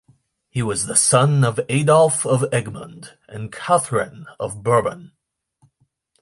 He was the son of Adolf of Egmond and Catharine of Bourbon.